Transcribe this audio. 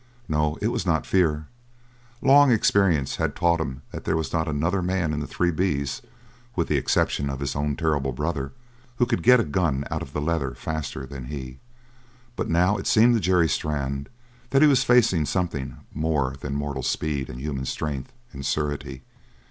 No, it was not fear. Long experience had taught him that there was not another man in the Three B's, with the exception of his own terrible brother, who could get a gun out of the leather faster than he, but now it seemed to Jerry Strann that he was facing something more than mortal speed and human strength and surety.